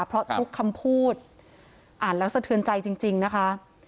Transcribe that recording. เพราะทุกคำพูดอ่านแล้วสะเทือนใจจริงนะคะ